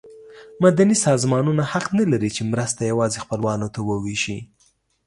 مدني سازمانونه حق نه لري چې مرستې یوازې خپلوانو ته وویشي.